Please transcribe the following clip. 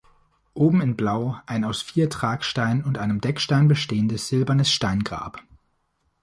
Oben in Blau ein aus vier Tragsteinen und einem Deckstein bestehendes silbernes Steingrab.